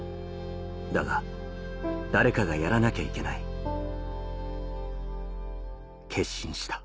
「だが誰かがやらなきゃいけない」「決心した」